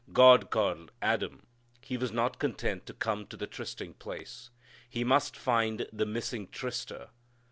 God called Adam. He was not content to come to the trysting place. He must find the missing tryster.